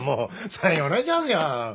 サインお願いしますよ。